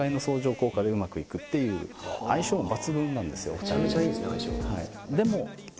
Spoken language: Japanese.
めちゃめちゃいいですね相性。